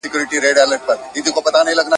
اوبه به را سي پکښي به ځغلي !.